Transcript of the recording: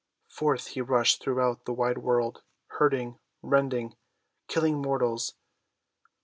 Forth he rushed throughout the wide world, hurting, rend ing, killing mortals.